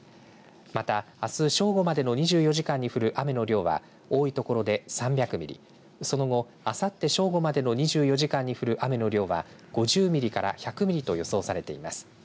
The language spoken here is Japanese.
また、あす正午までの２４時間に降る雨の量は多い所で３００ミリ、その後、あさって正午までの２４時間に降る雨の量は５０ミリから１００ミリと予想されています。